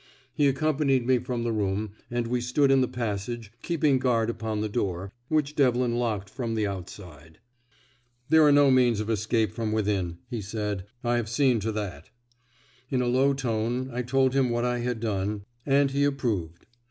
He accompanied me from the room, and we stood in the passage, keeping guard upon the door, which Devlin locked from the outside. "There are no means of escape from within," he said. "I have seen to that." In a low tone I told him what I had done, and he approved.